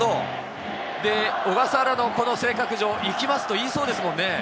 って、小笠原のこの性格上、行きますと言いそうですもんね。